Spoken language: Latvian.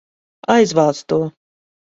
Aizvāc to!